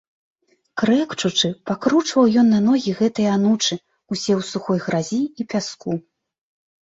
Крэкчучы, пакручваў ён на ногі гэтыя анучы, усе ў сухой гразі і пяску.